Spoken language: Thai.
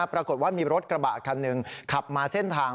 ปรากฏว่ามีรถกระบะคันหนึ่งขับมาเส้นทาง